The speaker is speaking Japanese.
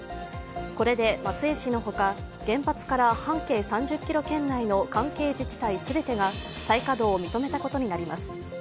これで松江市のほか、原発から半径３０ｋｍ圏内の関係自治体全てが再稼働を認めたことになります。